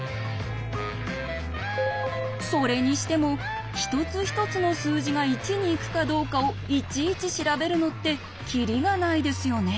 それにしても一つ一つの数字が１に行くかどうかをいちいち調べるのってキリがないですよね。